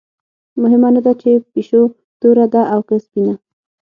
مهمه نه ده چې پیشو توره ده او که سپینه.